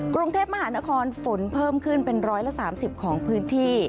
กรุงเทพมหานครฝนเพิ่มขึ้นเป็น๑๓๐ของพื้นที่